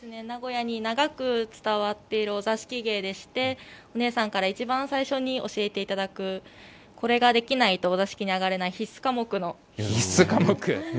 名古屋に長く伝わっているお座敷芸でして、お姉さんから一番最初に教えていただく、これができないとお座敷に上がれない必須科目の。